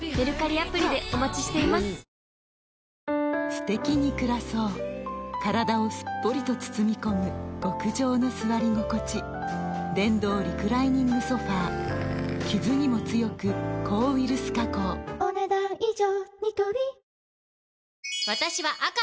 すてきに暮らそう体をすっぽりと包み込む極上の座り心地電動リクライニングソファ傷にも強く抗ウイルス加工お、ねだん以上。